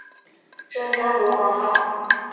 真三国广告。